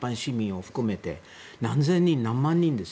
一般市民を含めて何千人、何万人ですよ。